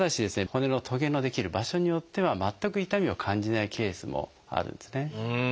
骨のトゲの出来る場所によっては全く痛みを感じないケースもあるんですね。